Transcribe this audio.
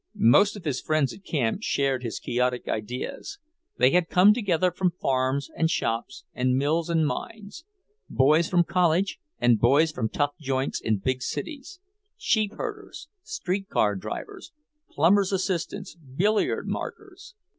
Most of his friends at camp shared his Quixotic ideas. They had come together from farms and shops and mills and mines, boys from college and boys from tough joints in big cities; sheepherders, street car drivers, plumbers' assistants, billiard markers.